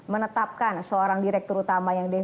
menetapkan seorang direktur utama yang